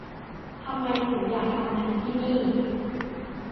ทำไมถึงอยากทำงานที่นี่